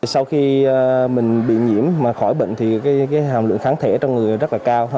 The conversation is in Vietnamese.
sau khi mình bị nhiễm mà khỏi bệnh thì cái hàm lượng kháng thể trong người rất là cao